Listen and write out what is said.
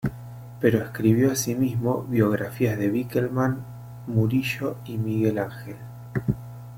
Pero escribió asimismo biografías de Winckelmann, Murillo y Miguel Ángel.